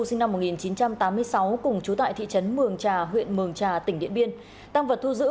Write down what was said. sinh năm một nghìn chín trăm tám mươi sáu cùng chú tại thị trấn mường trà huyện mường trà tỉnh điện biên tăng vật thu giữ